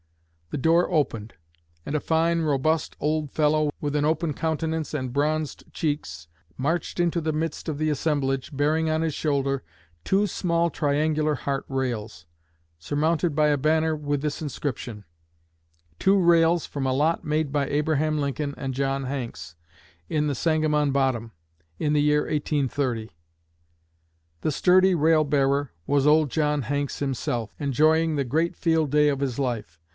The door opened; and a fine, robust old fellow, with an open countenance and bronzed cheeks, marched into the midst of the assemblage, bearing on his shoulder 'two small triangular heart rails,' surmounted by a banner with this inscription: 'Two rails from a lot made by Abraham Lincoln and John Hanks, in the Sangamon Bottom, in the year 1830.' The sturdy rail bearer was old John Hanks himself, enjoying the great field day of his life.